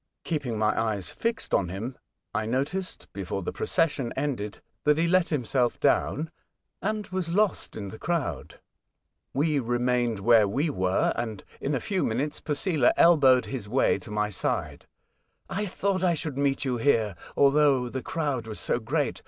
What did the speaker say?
Keeping my eyes fixed on him, I noticed, before the procession ended, bhat he let himself down, and was lost in the 3rowd. We remained where we were, and in a few minutes Posela elbowed his way to my side. " I thought I should meet you here, although the crowd was so great.